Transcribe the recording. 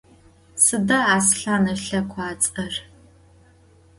Sıda Aslhan ılhekhuats'er?